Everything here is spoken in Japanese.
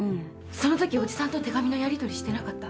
そのときおじさんと手紙のやりとりしてなかった？